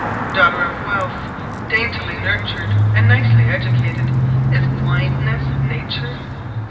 Daughter of wealth, daintily nurtured, and nicely educated, _Is blindness nature?